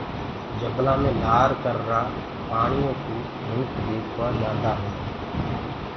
جبلآ مي لآر ڪرآ پآڻي ديکوآ منک جآندآ هينٚ۔